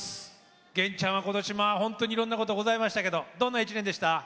源ちゃんは今年本当にいろんなことがございましたけどどんな１年でした？